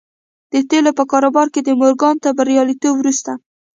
د تيلو په کاروبار کې د مورګان تر برياليتوب وروسته.